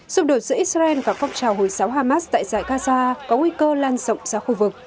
xung đột giữa israel và phong trào hồi giáo hamas tại giải gaza có nguy cơ lan rộng ra khu vực